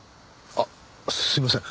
あっすいません。